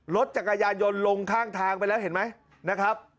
รถจักรยานยนต์ลงข้างทางไปแล้วเห็นไหมนะครับ